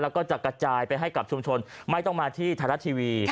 แล้วก็จะกระจายไปให้กับชุมชนไม่ต้องมาที่ไทยรัฐทีวี